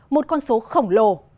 một con số khổng lồ